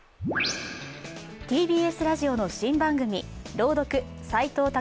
ＴＢＳラジオの新番組「朗読・斎藤工